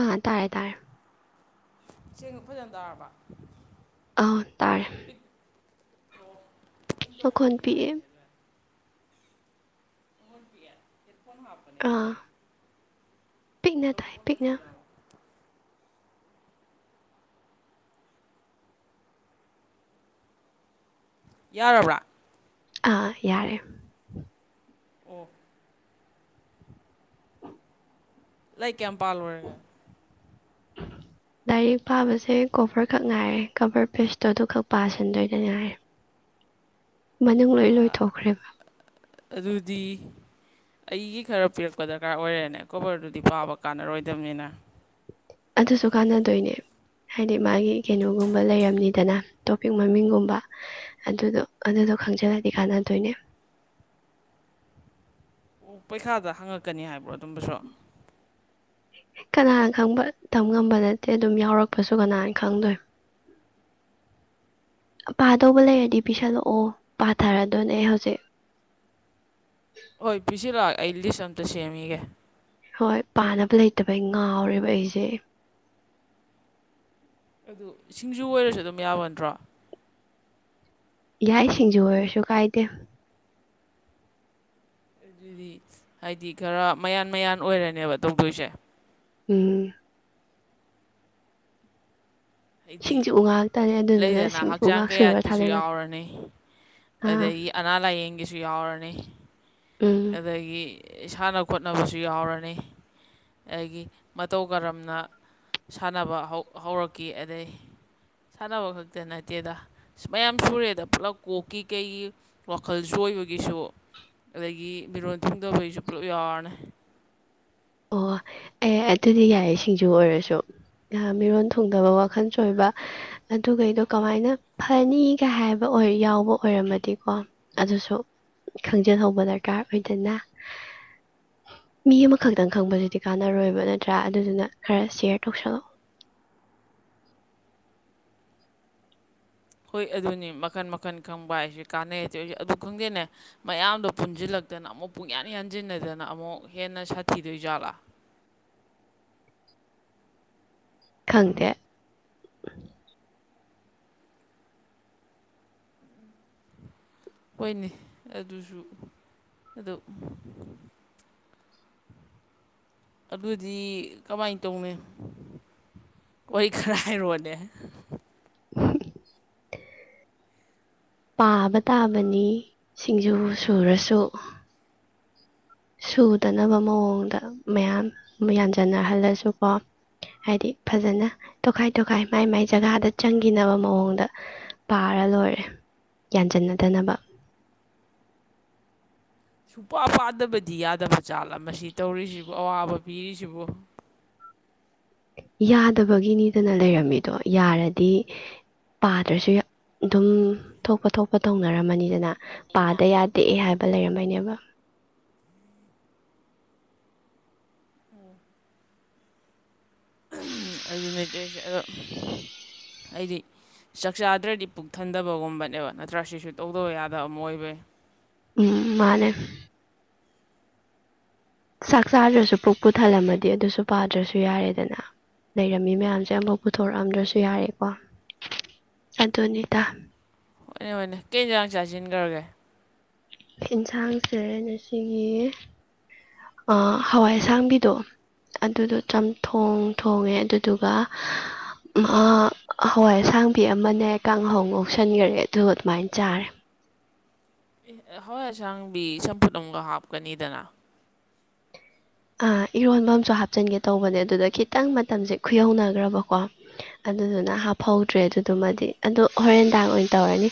ꯑꯥ ꯇꯥꯔꯦ ꯇꯥꯔꯦ ꯁꯦꯡꯅ ꯐꯖꯟ ꯇꯥꯔꯕ ꯑ ꯇꯥꯔ ꯄꯤꯛꯇ꯭ꯔꯣ ꯑꯩ ꯑꯈ ꯇꯧꯕꯗꯤ ꯄꯤꯑ ꯌꯥꯔꯦꯅꯦ ꯑꯗꯨꯅ ꯕꯤ ꯀꯅ ꯍꯥꯄ ꯑꯥ ꯄꯤꯛꯅ ꯇꯥꯏ ꯂꯧꯊꯣꯛꯐꯝ ꯄꯤꯛꯅ ꯐꯖꯅ ꯌꯥꯕ ꯌꯥꯔꯕ꯭ꯔꯥ ꯑꯥ ꯌꯥꯔꯦ ꯑꯣꯐ ꯂꯩ ꯀꯌꯥꯝꯄꯥꯥꯜ ꯑꯣꯏꯔꯒ ꯂꯥꯏꯔꯤꯛ ꯄꯥꯕꯁꯦ ꯀꯣꯕꯔ ꯈꯛ ꯉꯥꯏꯔꯦ ꯀꯕꯔ ꯄꯦꯁꯇꯣ ꯑꯗꯨ ꯈꯛ ꯄꯥꯁꯤꯟꯗꯣꯏꯗꯅꯤ ꯍꯥꯏꯥꯏꯔꯦ [inaudible] ꯃꯅꯤꯡ ꯂꯣꯏ ꯂꯣꯏꯊꯣꯛꯈ꯭ꯔꯦꯕ ꯔꯨꯗꯤ ꯑꯩꯒꯤ ꯈꯔ ꯄꯤꯔꯛꯄ ꯗꯔꯀꯥꯔ ꯑꯣꯏꯔꯦꯅꯦ ꯀꯣꯕꯔꯗꯨꯗꯤ ꯄꯥꯕ ꯀꯥꯟꯅꯔꯣꯏꯗꯕꯅꯤꯅ ꯑꯗꯨꯁꯨ ꯀꯥꯟꯅꯗꯣꯏꯅꯦ ꯍꯥꯏꯗꯤ ꯃꯥꯒꯤ ꯀꯩꯅꯣꯒꯨꯝꯕ ꯂꯩꯔꯝꯅꯤꯗꯅ ꯇꯣꯄꯤꯛ ꯃꯃꯤꯡꯒꯨꯝꯕ ꯑꯗꯨꯗꯣ ꯑꯗꯨꯗꯣ ꯈꯪꯖꯤꯜꯂꯗꯤ ꯀꯥꯟꯅꯗꯣꯏꯅꯦ ꯑꯣ ꯄꯩꯈꯥꯗ ꯍꯪꯉꯛꯀꯅꯤ ꯍꯥꯏꯕ꯭ꯔꯣ ꯑꯗꯨꯝꯕꯁꯨ ꯀꯅꯥꯅ ꯈꯪꯕ ꯇꯝ ꯉꯝꯕ ꯅꯠꯇꯦ ꯑꯗꯨꯝ ꯌꯥꯎꯔꯛꯄꯁꯨ ꯀꯅꯥꯅ ꯈꯪꯗꯣꯏ [unintelligible] ꯄꯥꯗꯧꯕ ꯂꯩꯔꯗꯤ ꯄꯤꯁꯜꯂꯛꯑꯣ ꯄꯥꯊꯔꯗꯨꯅꯦ ꯍꯧꯖꯤꯛ ꯍꯣꯏ ꯄꯤꯁꯤꯜꯂꯛꯑ ꯑꯩ ꯂꯤꯁ ꯑꯝꯇ ꯁꯦꯝꯃꯤꯒꯦ ꯍꯣꯏ ꯄꯥꯅꯕ ꯂꯩꯇꯕ ꯑꯩ ꯉꯥꯎꯔꯦꯕ ꯑꯩꯁꯦ ꯑꯗꯨ ꯁꯤꯡꯖꯨ ꯑꯣꯏꯔꯁꯨ ꯑꯗꯨꯝ ꯌꯥꯕꯠꯇ꯭ꯔꯣ ꯏꯏ ꯏꯁꯤꯡꯖ ꯑꯣꯏꯔꯁꯨ ꯀꯥꯏꯗꯦ ꯑꯗꯨꯗꯤ ꯍꯥꯏꯗꯤ ꯈꯔ ꯃꯌꯥꯟ ꯃꯌꯥꯟ ꯑꯣꯏꯔꯅꯦꯕ ꯇꯧꯗꯣꯏꯁꯦ ꯎ ꯍꯥꯏꯗꯤ ꯁꯤꯡꯖꯨ ꯉꯥꯛꯇꯅꯦ ꯑꯗꯨꯗꯨꯅ ꯂꯩꯗꯅ ꯁꯤꯡꯖꯨ ꯍꯛꯆꯥꯡ ꯉꯥꯛ ꯁꯨꯔ ꯀꯌꯥꯠꯀꯤꯁꯨ ꯊꯥꯗꯔꯒ ꯌꯥꯎꯔꯅꯤ ꯑꯥ ꯑꯗꯒꯤ ꯑꯅꯥ ꯂꯥꯥꯏꯌꯦꯡꯒꯤꯁꯨ ꯌꯥꯎꯔꯅꯤ ꯎꯝ ꯑꯗꯒꯤ ꯏꯁꯥꯟꯅ ꯈꯣꯠꯅꯕꯁꯨ ꯌꯥꯎꯔꯅꯤ ꯑꯩꯗꯒꯤ ꯃꯇꯧ ꯀꯔꯝꯅ ꯁꯥꯟꯅꯕ ꯍꯧꯔꯛꯈꯤ ꯑꯗꯩ ꯁꯥꯟꯅꯕ ꯈꯛꯇꯦ ꯅꯠꯇꯦꯗ ꯃꯌꯥꯝ ꯁꯨꯔꯦꯗ ꯄꯨꯂꯞ ꯀꯣꯛꯀꯤ ꯀꯩꯒꯤ ꯋꯥꯈꯜ ꯆꯖꯣꯏꯕꯒꯤꯁꯨ ꯑꯗꯒꯤ ꯃꯤꯔꯣꯟ ꯊꯤꯡꯗꯧꯕꯒꯤꯁꯨ ꯄꯨꯂꯞ ꯌꯥꯔꯅꯦ ꯑꯣ ꯑꯦ ꯑꯗꯨꯗꯤ ꯌꯥꯏꯌꯦ ꯁꯤꯡꯖꯨ ꯑꯣꯏꯔꯁꯨ ꯉꯍ ꯃꯤꯔꯣꯟ ꯊꯨꯡꯗꯕ ꯋꯥꯈꯜ ꯁꯣꯏꯕ ꯑꯗꯨꯒꯩꯗꯣ ꯀꯃꯥꯏꯅ ꯐꯅꯤꯒ ꯍꯥꯏꯕ ꯌꯥꯎꯕ ꯑꯣꯏꯔꯝꯃꯗꯤꯀꯣ ꯑꯗꯨꯁꯨ ꯈꯪꯖꯍꯧꯕ ꯗꯔꯀꯥꯔ ꯑꯣꯏꯗꯅ ꯃꯤ ꯑꯃ ꯈꯛꯇꯪ ꯈꯪꯕꯗꯨꯗꯤ ꯀꯥꯟꯅꯔꯣꯏꯕ ꯅꯠꯇ꯭ꯔꯥ ꯑꯗꯨꯗꯨꯅ ꯈꯔ ꯁꯦꯌꯔ ꯇꯧꯁꯜꯂꯛꯑꯣ ꯍꯣꯏ ꯑꯗꯨꯅꯤ ꯃꯈꯟ ꯃꯈꯟ ꯈꯪꯕ ꯍꯥꯏꯁꯦ ꯀꯥꯟꯅꯩꯇꯦ ꯑꯩꯁꯨꯦ ꯑꯗꯨ ꯈꯪꯗꯦꯅꯦ ꯃꯌꯥꯝꯗꯣ ꯄꯨꯟꯁꯤꯜꯂꯛꯇꯅ ꯑꯃꯨꯛ ꯄꯨꯡꯌꯥꯟ ꯌꯥꯟꯁꯤꯟꯅꯗꯅ ꯑꯃꯨꯛ ꯍꯦꯟꯅ ꯁꯥꯊꯤꯗꯣꯏ ꯖꯥꯠꯂ ꯈꯪꯗꯦ ꯑꯣꯏꯅꯤ ꯑꯗꯨꯁꯨ ꯑꯗꯨ ꯑꯗꯨꯗꯤ ꯀꯃꯥꯏꯅ ꯇꯧꯅꯤ ꯑꯣꯏ ꯈꯔ ꯍꯥꯏꯔꯣꯂꯦ ꯄꯥꯕ ꯇꯥꯕꯅꯤ ꯁꯤꯡꯖꯨ ꯁꯨꯔꯁꯨ ꯁꯨꯗꯅꯕ ꯃꯑꯣꯡꯗ ꯃꯌꯥꯝ ꯌꯥꯟꯖꯟꯅꯍꯜꯂꯁꯨꯀꯣ ꯍꯥꯏꯗꯤ ꯐꯖꯅ ꯇꯣꯈꯥꯏ ꯇꯣꯈꯥꯏ ꯃꯥꯏ ꯃꯥꯏ ꯖꯒꯥꯗ ꯆꯪꯒꯤꯅꯕ ꯃꯑꯣꯡꯗ ꯄꯥꯔ ꯂꯣꯏꯔꯦ ꯌꯥꯟꯖꯟꯅꯗꯅꯕ ꯁꯨꯄꯥ ꯄꯥꯥꯗꯕꯗꯤ ꯌꯥꯗꯕꯖꯥꯂꯥ ꯃꯁꯤ ꯇꯧꯔꯤꯖꯤꯕꯨ ꯑꯋꯥꯕ ꯄꯤꯔꯤꯁꯤꯕꯨ ꯌꯥꯗꯕꯒꯤꯅꯤꯗꯅ ꯂꯩꯔꯝꯃꯤꯗꯣ ꯌꯥꯔꯗꯤ ꯄꯥꯗ꯭ꯔꯁꯨ ꯌꯥ ꯗꯨꯝ ꯊꯣꯛꯄ ꯊꯣꯛꯄ ꯇꯧꯅꯔꯝꯃꯅꯤꯗꯅ ꯄꯥꯗ ꯌꯥꯗꯦ ꯍꯥꯏꯕ ꯂꯩꯔꯝꯕꯩꯅꯦꯕ ꯑꯗꯨꯅꯦ ꯇꯧꯏꯁꯦ ꯑꯗꯣ ꯑꯩꯗꯤ ꯆꯥꯛꯆꯥꯥꯗ꯭ꯔꯗꯤ ꯄꯨꯛ ꯊꯟꯗꯕꯒꯨꯝꯕꯅꯦꯕ ꯅꯠꯇ꯭ꯔꯥ ꯁꯤꯁꯨ ꯇꯧꯗꯕ ꯌꯥꯗꯕ ꯑꯃ ꯑꯣꯏꯕꯩ ꯎꯝ ꯃꯥꯅꯦ ꯆꯥꯛ ꯆꯥꯗ꯭ꯔꯁꯨ ꯄꯨꯛꯄꯨ ꯊꯜꯂꯝꯃꯗꯤ ꯑꯗꯨꯁꯨ ꯄꯥꯗ꯭ꯔꯁꯨ ꯌꯥꯔꯦꯗꯅ ꯂꯩꯔꯝꯃꯤ ꯃꯌꯥꯝꯁꯦ ꯑꯝꯕꯧ ꯄꯨꯊꯣꯔꯛꯑꯝꯗ꯭ꯔꯁꯨ ꯌꯥꯔꯦꯀꯣ ꯑꯗꯨꯅꯤꯇꯥ ꯍꯣꯏꯅꯦ ꯍꯣꯏꯅꯦ ꯀꯩ ꯏꯟꯖꯥꯡ ꯆꯥꯖꯤꯟꯒꯔꯥꯒꯦ ꯏꯟꯁꯥꯡꯁꯦ ꯉꯁꯤꯒꯤ ꯍꯋꯥꯏ ꯑꯥ ꯑꯁꯥꯡꯕꯤꯗꯣ ꯑꯗꯨꯗꯣ ꯆꯝꯊꯣꯡ ꯊꯣꯡꯉꯦ ꯑꯗꯨꯗꯨꯒ ꯑꯥ ꯍꯋꯥꯏ ꯑꯁꯥꯡꯕꯤ ꯑꯃꯅꯦ ꯀꯥꯡꯍꯧ ꯉꯧꯁꯟꯒꯔꯦ ꯑꯗꯨ ꯑꯗꯨꯃꯥꯏꯅ ꯆꯥꯔꯦ ꯍꯋꯥꯏ ꯑꯁꯥꯡꯕꯤ ꯆꯝꯐꯨꯠ ꯑꯝꯒ ꯍꯥꯞꯀꯅꯤꯗꯅ ꯑꯥ ꯏꯔꯣꯟꯕ ꯑꯝꯁꯨ ꯍꯥꯞꯆꯟꯒꯦ ꯇꯧꯕꯅꯦ ꯑꯗꯨꯗ ꯈꯤꯇꯪ ꯃꯇꯝꯖꯦ ꯈꯨꯌꯧꯅꯒꯔꯕꯀꯣ ꯑꯗꯨꯗꯨꯅ ꯍꯥꯞꯐꯧꯗ꯭ꯔꯦ ꯑꯗꯨꯗꯨꯃꯗꯤ ꯑꯗꯣ ꯍꯣꯔꯦꯟꯗꯥꯥꯡ ꯑꯣꯏꯅ ꯇꯧꯔꯅꯤ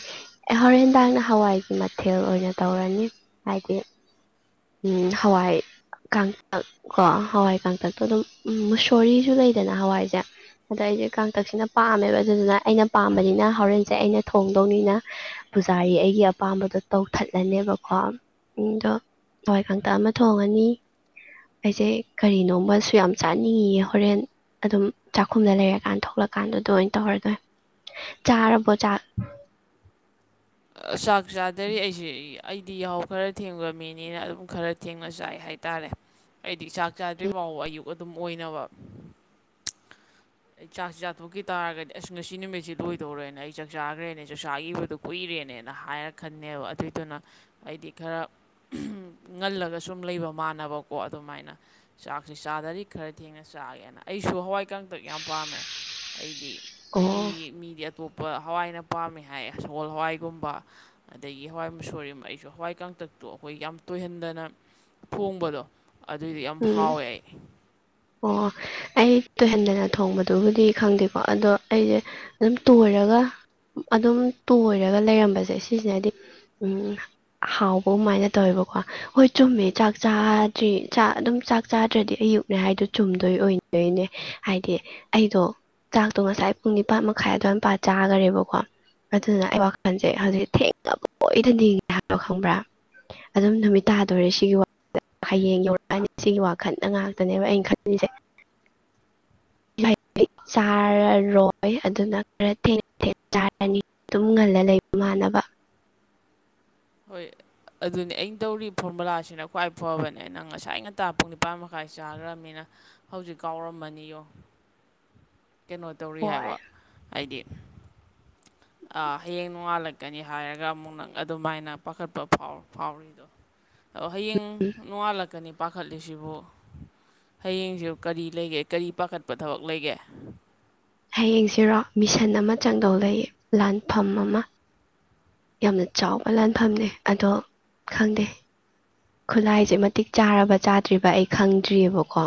ꯑꯦ ꯍꯣꯔꯦꯟꯗꯥꯡꯅ ꯍꯋꯥꯏꯒꯤ ꯃꯊꯦꯜ ꯑꯣꯏꯅ ꯇꯧꯔꯅꯤ ꯍꯥꯏꯗꯤ ꯎꯝ ꯍꯋꯥꯏ ꯀꯥꯡ ꯀꯣ ꯍꯋꯥꯏ ꯀꯥꯡꯇꯛꯇꯣ ꯑꯗꯨꯝ ꯃꯨꯁꯣꯔꯤꯁꯨ ꯂꯩꯗꯅ ꯍꯋꯥꯏꯖꯦ ꯑꯗ ꯑꯩꯗꯤ ꯀꯥꯡꯇꯛꯁꯤꯅ ꯄꯥꯝꯃꯦꯕ ꯑꯗꯨꯗꯨꯅ ꯑꯩꯅ ꯄꯥꯝꯕꯅꯤꯅ ꯍꯧꯔꯦꯟꯁꯦ ꯑꯩꯅ ꯊꯣꯡꯗꯧꯅꯤꯅ ꯄꯨꯖꯥꯔꯤ ꯑꯩꯒꯤ ꯑꯄꯥꯝꯕꯗꯣ ꯇꯧꯊꯠꯂꯅꯦꯕꯀꯣ ꯑꯗꯣ ꯍꯋꯥꯏ ꯀꯥꯡꯇꯛ ꯑꯃ ꯊꯣꯡꯉꯅꯤ ꯑꯩꯖꯦ ꯀꯔꯤꯅꯣꯝꯃꯁꯨ ꯌꯥꯝ ꯆꯥꯅꯤꯡꯉꯤꯌꯦ ꯍꯣꯔꯦꯟ ꯑꯗꯨꯝ ꯆꯥꯛꯈꯨꯝꯗ ꯂꯩꯔꯀꯥꯟꯗ ꯊꯣꯛꯂꯛꯀꯥꯟꯗꯨꯗ ꯑꯣꯏꯟ ꯇꯧꯔꯗꯣꯏ ꯆꯥꯔꯕꯣ ꯆꯥꯛ ꯑꯥ ꯆꯥꯛ ꯆꯥꯗꯔꯤ ꯑꯩꯁꯦ ꯑꯩꯗꯤ ꯌꯥꯍꯧ ꯈꯔ ꯊꯦꯡꯕ ꯃꯤꯅꯤꯅ ꯑꯗꯨꯝ ꯈꯔ ꯊꯦꯡꯅ ꯆꯥꯏ ꯍꯥꯏ ꯇꯥꯔꯦ ꯑꯩꯗꯤ ꯆꯥꯛ ꯆꯥꯗ꯭ꯔꯤꯕꯥꯥꯎꯕ ꯑꯌꯨꯛ ꯑꯗꯨꯝ ꯑꯣꯏꯅꯕ ꯑꯩ ꯆꯥꯛꯁꯤ ꯆꯥꯊꯣꯛꯈꯤ ꯇꯥꯔꯒꯗꯤ ꯑꯁ ꯉꯁꯤ ꯅꯨꯃꯤꯠꯁꯦ ꯂꯣꯏꯗꯧꯔꯦꯅ ꯑꯩ ꯆꯥꯛ ꯆꯥꯒꯔꯦꯅꯦ ꯆꯥꯛ ꯆꯥꯒꯤꯕꯗꯨ ꯀꯨꯏꯔꯦ ꯅꯦꯅ ꯍꯥꯏꯔ ꯈꯟꯅꯦꯕ ꯑꯗꯨꯏꯗꯨꯅ ꯑꯩꯗꯤ ꯈꯔ ꯉꯜꯂꯒ ꯁꯨꯝ ꯂꯩꯕ ꯃꯥꯟꯅꯕꯀꯣ ꯑꯗꯨꯃꯥꯏꯅ ꯆꯥꯛꯁꯤ ꯆꯥꯗꯔꯤ ꯈꯔ ꯊꯦꯡꯅ ꯆꯥꯒꯦꯅ ꯑꯩꯁꯨ ꯍꯋꯥꯏ ꯀꯥꯡꯇꯛ ꯌꯥꯝ ꯄꯥꯝꯃꯦ ꯑꯩꯗꯤ ꯑꯣ ꯃꯤ ꯃꯤꯗꯤ ꯑꯇꯣꯞꯄ ꯍꯋꯥꯏꯅ ꯄꯥꯝꯃꯦ ꯍꯥꯏ ꯁꯒꯣꯜ ꯍꯋꯥꯏ ꯒꯨꯝꯕ ꯑꯗꯒꯤ ꯍꯋꯥꯏ ꯃꯨꯁꯣꯔꯤ ꯑꯃ ꯑꯩꯁꯨ ꯍꯋꯥꯏ ꯀꯥꯡꯇꯛꯇꯣ ꯑꯈꯣꯏ ꯌꯥꯝ ꯇꯣꯏꯍꯟꯗꯅ ꯊꯣꯡꯕꯗꯣ ꯑꯗꯨꯏꯗꯨ ꯌꯥꯝ ꯎꯝ ꯍꯥꯎꯋꯦ ꯑꯩ ꯑꯣ ꯑꯩ ꯇꯣꯏꯍꯟꯗꯅ ꯊꯣꯡꯕꯗꯨꯕꯨꯗꯤ ꯈꯪꯗꯦꯀꯣ ꯑꯗꯣ ꯑꯩꯗꯤ ꯑꯗꯨꯝ ꯇꯣꯏꯔꯒ ꯑꯗꯨꯝ ꯇꯣꯏꯔꯒ ꯂꯩꯔꯝꯕꯁꯦ ꯁꯤꯖꯤꯅꯗꯤ ꯎꯝ ꯍꯥꯎꯕ ꯎꯃꯥꯏꯅ ꯇꯧꯋꯦꯕꯀꯣ ꯍꯣꯏ ꯆꯨꯝꯃꯦ ꯆꯥꯛ ꯆꯥꯗ꯭ꯔꯤ ꯆꯥꯛ ꯑꯗꯨꯝ ꯆꯥꯛ ꯆꯥꯗ꯭ꯔꯗꯤ ꯑꯌꯨꯛꯅꯦ ꯍꯥꯏꯗꯣ ꯆꯨꯝꯗꯣꯏ ꯑꯣꯏꯗꯣꯏꯅꯦ ꯍꯥꯏꯗꯤ ꯑꯩꯗꯣ ꯆꯥꯛꯇꯣ ꯉꯁꯥꯏ ꯄꯨꯡ ꯅꯤꯄꯥꯥꯟ ꯃꯈꯥꯏ ꯑꯗꯨꯋꯥꯏ ꯃꯄꯥ ꯆꯥꯒꯔꯦꯕꯀꯣ ꯑꯗꯨꯗꯨꯅ ꯑꯩ ꯋꯥꯈꯟꯖꯦ ꯍꯧꯖꯤꯛ ꯊꯦꯡꯉꯥꯕꯣꯏꯗ ꯅꯤꯡꯉꯤ ꯍꯥꯏꯕ ꯈꯪꯕ꯭ꯔꯥ ꯑꯗꯨꯝ ꯅꯨꯃꯤꯠ ꯇꯥꯗꯣꯔꯦ ꯁꯤꯒꯤ ꯋꯥ ꯍꯌꯦꯡ ꯍꯥꯏꯅꯤ ꯁꯤꯒꯤ ꯋꯥꯈꯟꯗ ꯉꯥꯛꯇꯅꯦꯕ ꯑꯩꯅ ꯈꯟꯂꯤꯖꯦ ꯗꯤ ꯆꯥꯔꯔꯣꯏ ꯑꯗꯨꯅ ꯈꯔ ꯊꯦꯡꯅ [unintelligible] ꯆꯥꯔꯅꯤ ꯗꯨꯝ ꯉꯜꯂ ꯂꯩꯕ ꯃꯥꯟꯅꯕ ꯍꯣꯏ ꯑꯗꯨꯅꯦ ꯑꯩꯅ ꯇꯧꯔꯤ ꯐꯣꯔꯃꯨꯂꯥꯁꯤꯅ ꯈ꯭ꯋꯥꯏ ꯐꯕꯅꯦ ꯅꯪ ꯉꯁꯥꯏ ꯉꯟꯇꯥ ꯄꯨꯡ ꯅꯤꯄꯥꯟ ꯃꯈꯥꯏ ꯆꯥꯒꯔꯝꯅꯤꯅ ꯍꯧꯖꯤꯛ ꯀꯥꯎꯔꯃꯅꯤ ꯌꯣ ꯀꯩꯅꯣ ꯇꯧꯔꯤ ꯍꯣꯏ ꯍꯥꯏꯕ ꯍꯥꯏꯗꯤ ꯍꯌꯦꯡ ꯅꯣꯡꯉꯥꯜꯂꯛꯀꯅꯤ ꯍꯥꯏꯔꯒ ꯑꯃꯨꯛ ꯅꯪ ꯑꯗꯨꯃꯥꯏꯅ ꯄꯥꯈꯠꯄ ꯐꯥꯎꯔꯤ ꯍꯌꯦꯡ ꯅꯣꯡꯉꯥꯜꯂꯛꯀꯅꯤ ꯄꯥꯈꯠꯂꯤꯁꯤꯕꯨ ꯍꯌꯦꯡꯁ ꯀꯔꯤ ꯂꯩꯒꯦ ꯀꯔꯤ ꯄꯥꯈꯠꯄ ꯊꯕꯛ ꯂꯩꯒꯦ ꯍꯌꯦꯡꯁꯤꯔꯣ ꯃꯤꯁꯟ ꯑꯃ ꯆꯥꯡꯗꯧ ꯂꯩꯌꯦ ꯂꯥꯟꯐꯝ ꯑꯃ ꯌꯥꯝꯅ ꯆꯥꯎꯕ ꯂꯥꯟꯐꯝꯅꯦ ꯑꯗꯣ ꯈꯪꯗꯦ ꯈꯨꯠꯂꯥꯏꯁꯦ ꯃꯇꯤꯛ ꯆꯥꯔꯕ ꯆꯥꯗ꯭ꯔꯤꯕ ꯑꯩ ꯈꯪꯗ꯭ꯔꯤꯑꯕꯀꯣ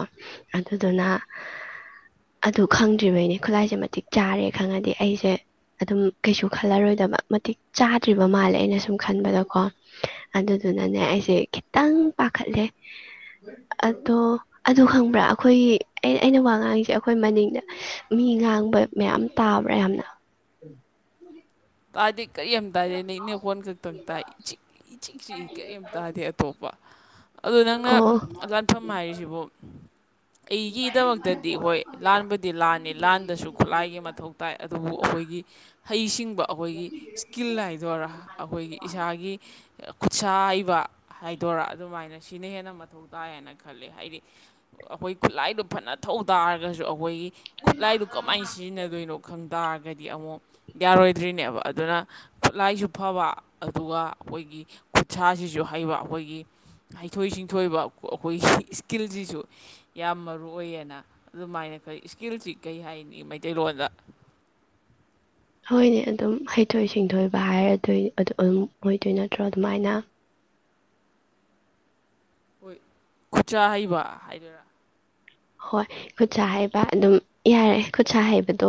ꯑꯗꯨꯗꯨꯅ ꯑꯗꯨ ꯈꯪꯗ꯭ꯔꯤꯕꯩꯅꯦ ꯈꯨꯠꯂꯥꯏꯁꯦ ꯃꯇꯤꯛ ꯆꯥꯔꯦ ꯈꯪꯉꯗꯤ ꯑꯩꯁꯦ ꯑꯗꯨꯝ ꯀꯩꯁꯨ ꯈꯜꯂꯔꯣꯏꯗꯕ ꯃꯇꯤꯛ ꯆꯥꯗ꯭ꯔꯤꯕ ꯃꯥꯜꯂꯦ ꯑꯩꯅ ꯁꯨꯝ ꯈꯟꯕꯗꯀꯣ ꯑꯗꯨꯗꯨꯅꯅꯦ ꯑꯩꯁꯦ ꯈꯤꯇꯪ ꯄꯥꯈꯠꯂꯦ ꯑꯗꯣ ꯑꯗꯨ ꯈꯪꯕ꯭ꯔꯥ ꯑꯩꯈꯣꯏꯒꯤ ꯑꯩꯅ ꯋꯥ ꯉꯥꯡꯉꯁꯦ ꯑꯩꯈꯣꯏ ꯃꯅꯤꯡꯗ ꯃꯤ ꯉꯥꯡꯕ ꯃꯌꯥꯝ ꯇꯥꯕ꯭ꯔꯥ ꯌꯥꯝꯅ ꯇꯥꯗꯦ ꯀꯔꯤꯝ ꯇꯥꯗꯦ ꯅꯪ ꯈꯣꯟ ꯈꯛꯇꯪ ꯇꯥꯏ ꯏꯤꯛ ꯏ ꯆꯤꯛ ꯆꯤꯏ ꯀꯔꯤꯝ ꯇꯥꯗꯦ ꯇꯣꯛꯄ ꯑꯗꯨ ꯅꯪꯅ ꯑꯣ ꯂꯥꯟꯐꯝ ꯍꯥꯏꯔꯤꯁꯤꯕꯨ ꯑꯩꯒꯤꯗꯃꯛꯇꯗꯤ ꯍꯣꯏ ꯂꯥꯟꯕꯗꯤ ꯂꯥꯟꯅꯤ ꯂꯥꯟꯗꯁꯨ ꯈꯨꯠꯂꯥꯏꯒꯤ ꯃꯊꯧ ꯇꯥꯏ ꯑꯗꯨꯕꯨ ꯑꯩꯈꯣꯏꯒꯤ ꯍꯩꯁꯤꯡꯕ ꯑꯩꯈꯣꯏꯒꯤ ꯏꯁꯀꯤꯜ ꯍꯥꯏꯗꯣꯏꯔꯥ ꯑꯩꯈꯣꯏꯒꯤ ꯏꯁꯥ ꯒꯤ ꯈꯨꯠꯁꯥ ꯍꯩꯕ ꯍꯥꯏꯗꯣꯔꯥ ꯑꯗꯨꯃꯥꯏꯅ ꯁꯤꯅ ꯍꯦꯟꯅ ꯃꯊꯧ ꯇꯥꯏ ꯍꯥꯏꯅ ꯈ ꯈꯜꯂꯦ ꯍꯥꯏꯗꯤ ꯑꯩꯈꯣꯏ ꯈꯨꯠꯂꯥꯏꯗꯣ ꯐꯅ ꯊꯧ ꯇꯥꯔꯒꯁꯨ ꯑꯩꯈꯣꯏꯒꯤ ꯈꯨꯠꯂꯥꯏꯗꯨ ꯀꯃꯥꯏꯅ ꯁꯤꯖꯤꯟꯅꯗꯣꯏꯅꯣ ꯈꯪ ꯇꯥꯔꯒꯗꯤ ꯑꯃꯨꯛ ꯌꯥꯔꯣꯏꯗ꯭ꯔꯤꯅꯦꯕ ꯑꯗꯨꯅ ꯈꯨꯠꯂꯥꯏꯁꯨ ꯐꯕ ꯑꯗꯨꯒ ꯑꯩꯈꯣꯏꯒꯤ ꯈꯨꯠꯁꯥꯁꯤꯁꯨ ꯍꯩꯕ ꯑꯩꯈꯣꯏꯒꯤ ꯑꯩꯒꯤ ꯍꯩꯊꯣꯏ ꯁꯤꯡꯊꯣꯏꯕ ꯑꯩꯈꯣꯏꯒꯤ ꯏꯁꯀꯤꯜꯁꯤꯁꯨ ꯌꯥꯝ ꯃꯔꯨ ꯑꯣꯏꯌꯦꯅ ꯑꯗꯨꯃꯥꯏꯅ ꯀꯔꯤ ꯏꯁꯀꯤꯜꯁꯤ ꯀꯔꯤ ꯍꯥꯏꯅꯤ ꯃꯩꯇꯩꯂꯣꯟꯗ ꯍꯣꯏꯅꯦ ꯑꯗꯨꯝ ꯍꯩꯊꯣꯏ ꯁꯤꯡꯊꯣꯏꯕ ꯍꯥꯏꯔꯗꯣꯏ ꯑꯗꯨ ꯑꯗꯨꯝ ꯑꯣꯏꯗꯣꯏ ꯅꯠꯇ꯭ꯔꯣ ꯑꯗꯨꯃꯥꯏꯅ ꯍꯣꯏ ꯈꯨꯠꯁ ꯍꯩꯕ ꯍꯥꯏꯗꯣꯏꯔꯥ ꯍꯣꯏ ꯈꯨꯠꯁꯥ ꯍꯩꯕ ꯑꯗꯨꯝ ꯌꯥꯔꯦ ꯈꯨꯠꯁꯥ ꯍꯩꯕꯗꯣ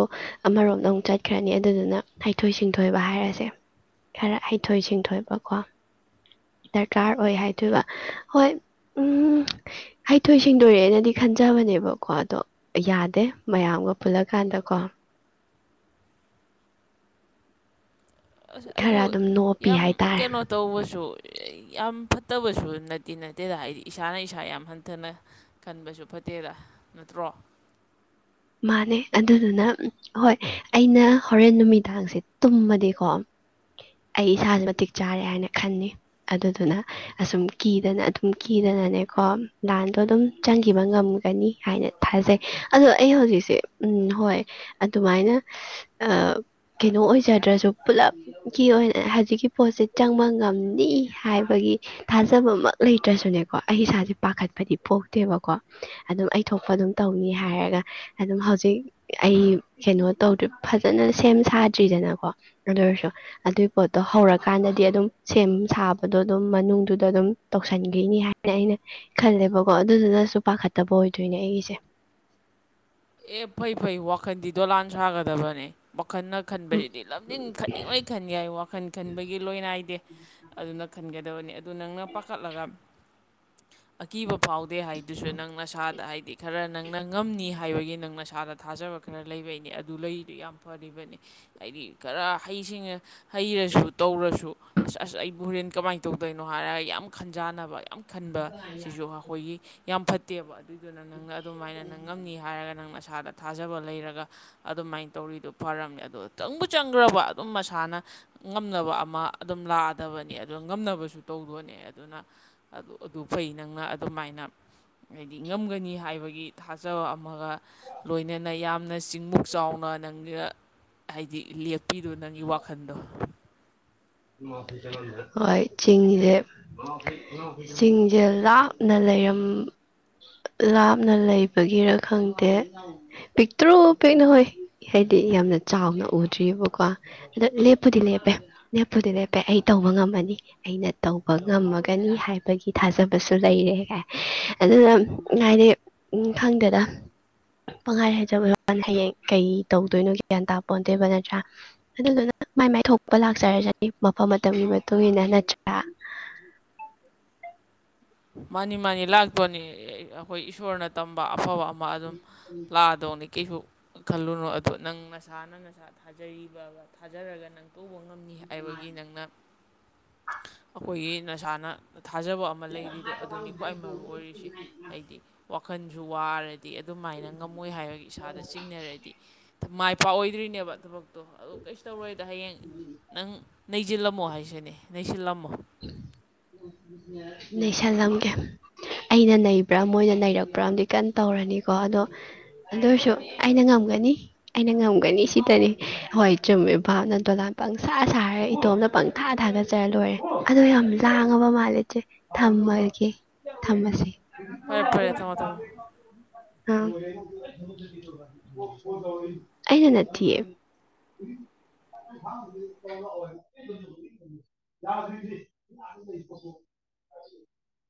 ꯑꯃꯔꯣꯝꯗ ꯑꯃꯨꯛ ꯆꯠꯈ꯭ꯔꯅꯤ ꯑꯗꯨꯗꯨꯅ ꯍꯩꯊꯣꯏ ꯁꯤꯡꯊꯣꯏꯕ ꯍꯥꯏꯔꯁꯦ ꯈꯔ ꯍꯩꯊꯣꯏ ꯁꯤꯡꯊꯣꯏꯕꯀꯣ ꯗꯔꯀꯥꯔ ꯑꯣꯏ ꯍꯥꯏꯗꯣꯏꯕ ꯍꯣꯏ ꯎꯝ ꯍꯩꯊꯣꯏ ꯁꯤꯡꯗꯣꯔꯦꯅꯗꯤ ꯈꯟꯖꯩ ꯆꯕꯅꯦꯕꯀꯣ ꯑꯗꯣ ꯌꯥꯗꯦ ꯃꯌꯥꯝꯒ ꯄꯨꯜꯂꯀꯥꯟꯗꯀꯣ ꯑꯁ ꯑꯗꯨ ꯈꯔ ꯑꯗꯨꯝ ꯅꯣꯞꯄꯤ ꯌꯥꯝ ꯍꯥꯏꯇꯥꯔꯦ ꯀꯩꯅꯣ ꯇꯧꯕꯁꯨ ꯌꯥꯝ ꯐꯠꯇꯕꯁꯨ ꯅꯠꯇꯤ ꯅꯠꯇꯦꯗ ꯍꯥꯏꯗꯤ ꯏꯁꯥꯅ ꯏꯁꯥ ꯌꯥꯝ ꯍꯟꯊꯅ ꯈꯟꯕꯁꯨ ꯐꯠꯇꯦꯗ ꯅꯠꯇ꯭ꯔꯣ ꯃꯥꯅꯦ ꯑꯗꯨꯗꯨꯅ ꯎ ꯍꯣꯏ ꯑꯩꯅ ꯍꯣꯔꯦꯟ ꯅꯨꯃꯤꯗꯥꯡꯁꯦ ꯇꯨꯝꯃꯗꯤꯀꯣ ꯑꯩ ꯏꯁꯥ ꯃꯇꯤꯛ ꯆꯥꯔꯦ ꯍꯥꯏꯅ ꯈꯅꯤ ꯑꯗꯨꯗꯨꯅ ꯑꯁꯨꯝ ꯀꯤꯗꯅ ꯑꯗꯨꯝ ꯀꯤꯗꯅꯅꯦꯀꯣ ꯂꯥꯟꯗꯣ ꯑꯗꯨꯝ ꯆꯪꯈꯤꯕ ꯉꯝꯒꯅꯤ ꯍꯥꯏꯅ ꯊꯥꯖꯩ ꯑꯗꯣ ꯑꯩ ꯍꯧꯖꯤꯛꯁꯦ ꯎꯝ ꯍꯣꯏ ꯑꯗꯨꯃꯥꯏꯅ ꯑ ꯀꯩꯅꯣ ꯑꯣꯏꯖꯗ꯭ꯔꯁꯨ ꯄꯨꯂꯞ ꯀꯤ ꯑꯣꯏꯅ ꯍꯧꯖꯤꯛꯀꯤ ꯄꯣꯠꯁꯦ ꯆꯪꯕ ꯉꯝꯅꯤ ꯍꯥꯏꯕꯒꯤ ꯊꯥꯖꯕꯃꯛ ꯂꯩꯇ꯭ꯔꯁꯨꯅꯦꯀꯣ ꯑꯩ ꯏꯁꯥꯁꯦ ꯄꯥꯈꯠꯄꯗꯤ ꯄꯣꯛꯇꯦꯕꯀꯣ ꯑꯗꯨꯝ ꯑꯩ ꯊꯣꯛꯄ ꯑꯗꯨꯝ ꯇꯧꯅꯤ ꯍꯥꯏꯔꯒ ꯑꯗꯨꯝ ꯍꯧꯖꯤꯛ ꯑꯩ ꯀꯩꯅꯣ ꯇꯧꯗ꯭ꯔꯤ ꯐꯖꯅ ꯁꯦꯝ ꯁꯥꯗ꯭ꯔꯤꯗꯅꯀꯣ ꯑꯗꯨꯑꯣꯏꯔꯁꯨ ꯑꯗꯨꯏ ꯄꯣꯠꯇꯣ ꯍꯧꯔꯀꯥꯟꯗꯗꯤ ꯑꯗꯨꯝ ꯁꯦꯝ ꯁꯥꯕꯗꯣ ꯑꯗꯨꯝ ꯃꯅꯨꯡꯗꯨꯗ ꯑꯗꯨꯝ ꯇꯧꯁꯟꯈꯤꯅꯤ ꯍꯥꯏ ꯑꯩꯅ ꯑꯩꯅ ꯈꯜꯂꯦꯕꯀꯣ ꯑꯗꯨꯗꯨꯅꯁꯨ ꯄꯥꯈꯠꯇꯕ ꯑꯣꯏꯗꯣꯏꯅꯦ ꯑꯩꯒꯤꯁꯦ ꯑꯦ ꯐꯩ ꯐꯩ ꯋꯥꯈꯟꯗꯤ ꯗꯣꯂꯥꯟ ꯁꯥꯒꯗꯕꯅꯦ ꯋꯥꯈꯜꯅ ꯈꯟꯕꯁꯤꯗꯤ ꯂꯝꯖꯤꯡ ꯈꯟꯅꯤꯡꯉꯣꯏ ꯈꯟ ꯌꯥꯏ ꯋꯥꯈꯜ ꯈꯟꯕꯒꯤ ꯂꯣꯏꯅꯥꯏꯗꯦ ꯑꯗꯨꯅ ꯈꯟꯒꯗꯕꯅꯤ ꯑꯗꯨ ꯅꯪꯅ ꯄꯥꯈꯠꯂꯒ ꯑꯀꯤꯕ ꯐꯥꯎꯗꯦ ꯍꯥꯏꯗꯨꯁꯨ ꯅꯪ ꯅꯁꯥꯗ ꯍꯥꯏꯗꯤ ꯈꯔ ꯅꯪꯅ ꯉꯝꯅꯤ ꯍꯥꯏꯕꯒꯤꯅꯤ ꯅꯪ ꯅꯁꯥꯗ ꯊꯥꯖꯕ ꯈꯔ ꯂꯩꯕꯩꯅꯦ ꯑꯗꯨ ꯂꯩꯗꯨ ꯌꯥꯝ ꯐꯔꯤꯕꯅꯤ ꯍꯥꯏꯗꯤ ꯈꯔ ꯍꯩꯁꯤꯡꯉ ꯍꯩꯔꯁꯨ ꯇꯧꯔꯁꯨ ꯑꯁ ꯑꯁ ꯑꯩ ꯕꯨ ꯍꯣꯔꯦꯟ ꯀꯃꯥꯏꯅ ꯇꯧꯗꯣꯏꯅꯣ ꯍꯥꯏꯔꯒ ꯌꯥꯝ ꯈꯟꯖꯥꯟꯅꯕ ꯌꯥꯝ ꯈꯟ ꯁꯤꯁꯨ ꯑꯩꯈꯣꯏꯒꯤ ꯌꯥꯝ ꯐꯠꯇꯦꯕ ꯑꯗꯨꯏꯗꯨꯅ ꯅꯪꯅ ꯑꯗꯨꯃꯥꯏꯅ ꯅꯪ ꯉꯝꯅꯤ ꯍꯥꯏꯔꯒ ꯅꯪ ꯅꯁꯥꯗ ꯊꯥꯖꯕ ꯂꯩꯔꯒ ꯑꯗꯨꯃꯥꯏꯟ ꯇꯧꯔꯤꯗꯨ ꯐꯔꯝꯅꯦ ꯑꯗꯣ ꯆꯪꯕ ꯆꯪꯈ꯭ꯔꯕ ꯑꯗꯨꯝ ꯃꯁꯥꯅ ꯉꯝꯅꯕ ꯑꯃ ꯑꯗꯨꯝ ꯂꯥꯛꯑꯗꯕꯅꯤ ꯑꯗꯨ ꯉꯝꯅꯕꯁꯨ ꯇꯧꯗꯣꯅꯦ ꯑꯗꯨꯅ ꯑꯗꯨ ꯑꯗꯨ ꯐꯩ ꯅꯪꯅ ꯑꯗꯨꯃꯥꯏꯅ ꯍꯥꯏꯗꯤ ꯉꯝꯒꯅꯤ ꯍꯥꯏꯕꯒꯤ ꯊꯥꯖꯕ ꯑꯃꯒ ꯂꯣꯏꯅꯅ ꯌꯥꯝꯅ ꯆꯤꯡꯃꯨꯛ ꯆꯥꯎꯅ ꯅꯪꯅ ꯍꯥꯏꯗꯤ ꯂꯦꯞ ꯄꯤꯗꯨ ꯅꯪꯒꯤ ꯋꯥꯈꯟꯗꯣ ꯍꯣꯏ ꯆꯤꯡ ꯂꯦꯄ ꯁꯤꯡꯖꯦꯜ ꯂꯥꯞꯅ ꯂꯩꯔꯝ ꯂꯥꯞꯅ ꯂꯩꯕꯒꯤꯔ ꯈꯪꯗꯦ ꯄꯤꯛꯇ꯭ꯔꯣ ꯄꯤꯛꯅ ꯎꯏ ꯍꯥꯏꯗꯤ ꯌꯥꯝꯅ ꯆꯥꯎꯅ ꯎꯗ꯭ꯔꯤꯑꯕꯀꯣ ꯑꯗ ꯂꯦꯞꯄꯨꯗꯤ ꯂꯦꯞꯄꯦ ꯂꯦꯞꯄꯨꯗꯤ ꯂꯦꯞꯄꯦ ꯑꯩ ꯇꯧꯕ ꯉꯝꯃꯅꯤ ꯑꯩꯅ ꯇꯧꯕ ꯉꯝꯃꯒꯅꯤ ꯍꯥꯏꯕꯒꯤ ꯊꯥꯖꯕꯁꯨ ꯂꯩꯔꯦ ꯍꯥꯏ ꯑꯗꯨꯅ ꯍꯥꯏꯗꯤ ꯎꯝ ꯈꯪꯗꯦꯗ ꯄꯪꯈꯥꯏ ꯍꯥꯏꯖꯕ ꯍꯌꯦꯡ ꯀꯩ ꯇꯧꯗꯣꯏꯅꯣ ꯒ꯭ꯌꯥꯟ ꯇꯥꯄ ꯑꯣꯣꯟꯗꯣꯏꯕ ꯅꯠꯇ꯭ꯔꯥ ꯑꯗꯨꯗꯨꯅ ꯃꯥꯏ ꯃꯥꯏ ꯊꯣꯛꯄ ꯂꯥꯛꯆꯔꯁꯅꯤ ꯃꯐꯝ ꯃꯇꯝꯒꯤ ꯃꯇꯨꯡ ꯏꯟꯅ ꯅꯠꯇ꯭ꯔꯥ ꯃꯥꯅꯤ ꯃꯥꯅꯤ ꯂꯥꯛꯇꯣꯅꯤ ꯑꯩꯈꯣꯏ ꯏꯁꯣꯔꯅ ꯇꯝꯕ ꯑꯐꯕ ꯑꯃ ꯑꯗꯨꯝ ꯂꯥꯛꯑꯗꯧꯅꯤ ꯀꯩꯁꯨ ꯈꯜꯂꯨꯅꯨ ꯑꯗꯣ ꯅꯪ ꯅꯁꯥ ꯅꯪ ꯅꯁꯥ ꯊꯥꯖꯔꯤꯕ ꯊꯥꯖꯔꯒ ꯅꯪ ꯇꯧꯕ ꯉꯝꯅꯤ ꯍꯥꯏꯕꯒꯤ ꯅꯪꯅ ꯑꯩꯈꯣꯏꯒꯤ ꯅꯁꯥꯅ ꯊꯥꯖꯕ ꯑꯃ ꯑꯃ ꯂꯩꯔꯤꯗꯣ ꯑꯗꯨꯅꯤ ꯈ꯭ꯋꯥꯏ ꯃꯔꯨ ꯑꯣꯏꯔꯤꯁꯦ ꯍꯥꯏꯗꯤ ꯋꯥꯈꯜꯁꯨ ꯋꯥꯔꯗꯤ ꯑꯗꯨꯃꯥꯏꯅ ꯉꯝꯃꯣꯏ ꯍꯥꯏꯔꯒ ꯏꯁꯥꯗ ꯆꯤꯡꯅꯔꯗꯤ ꯃꯥꯏ ꯄꯥꯛꯑꯣꯏꯗ꯭ꯔꯤꯅꯦꯕ ꯊꯕꯛꯇꯣ ꯑꯗꯨꯗ ꯀꯩꯁꯨ ꯇꯧꯔꯣꯏꯗ ꯍꯌꯦꯡ ꯅꯪ ꯅꯩꯁꯤꯜꯂꯝꯃꯣ ꯍꯥꯏꯁꯤꯅꯦ ꯅꯩꯁꯤꯜꯂꯝꯃꯣ ꯅꯩꯁꯟꯂꯝꯒꯦ ꯑꯩꯅ ꯅꯩꯕ꯭ꯔꯥ ꯃꯣꯏꯅ ꯅꯩꯔꯛꯄ꯭ꯔꯥ ꯑꯃꯗꯤ ꯀꯟꯅ ꯇꯧꯔꯅꯤꯀꯣ ꯑꯗꯣ ꯑꯗꯨ ꯑꯣꯏꯔꯁꯨ ꯑꯩꯅ ꯉꯝꯒꯅꯤ ꯑꯩꯅ ꯉꯝꯒꯅꯤ ꯁꯤꯗꯅꯦ ꯍꯣꯏ ꯆꯨꯝꯃꯤꯚꯥꯞꯅ ꯗꯣꯂꯥꯟ ꯄꯪꯁꯥ ꯁꯥꯔꯦ ꯏꯇꯣꯝꯅ ꯄ ꯈꯥ ꯊꯉꯒ ꯆꯥꯏꯜꯂꯣꯔ ꯑꯗꯣ ꯌꯥꯝ ꯂꯥꯡꯉꯕ ꯃꯥꯜꯂꯦ ꯏꯆꯦ ꯊꯝꯃꯒꯦ ꯊꯝꯃꯁꯦ ꯐꯔꯦ ꯐꯔꯦ ꯊꯝꯃꯣ ꯊꯝꯃꯣ ꯀ ꯑꯩꯅ ꯅꯥꯠꯇꯌꯦ ꯌꯥ